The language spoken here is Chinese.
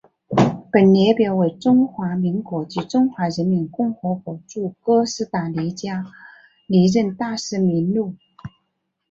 本列表为中华民国及中华人民共和国驻哥斯达黎加历任大使名录。